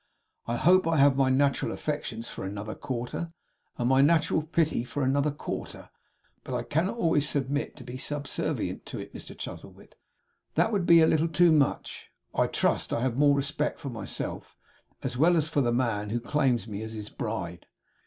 I hope I have my natural affections for another quarter, and my natural pity for another quarter; but I cannot always submit to be subservient to it, Mr Chuzzlewit. That would be a little too much. I trust I have more respect for myself, as well as for the man who claims me as his Bride.